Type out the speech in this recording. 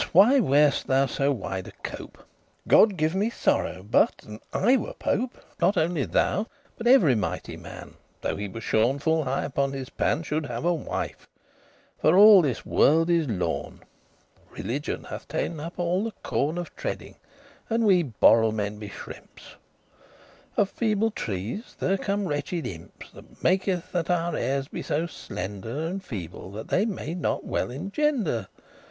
why wearest thou so wide a cope? <3> God give me sorrow, but, an* I were pope, *if Not only thou, but every mighty man, Though he were shorn full high upon his pan,* <4> *crown Should have a wife; for all this world is lorn;* *undone, ruined Religion hath ta'en up all the corn Of treading, and we borel* men be shrimps: *lay Of feeble trees there come wretched imps.* *shoots <5> This maketh that our heires be so slender And feeble, that they may not well engender.